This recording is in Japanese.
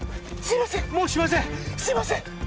すいません！